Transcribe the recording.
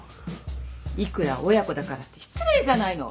いくら親子だからって失礼じゃないの！